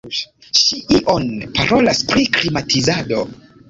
Ŝi ion parolas pri klimatizado.